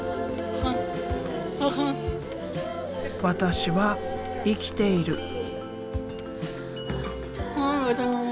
私は生きている。